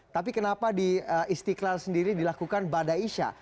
tapi kenapa di istiqlal sendiri dilakukan pada isya